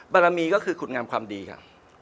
บารมีก็คือคุณงามความดีค่ะ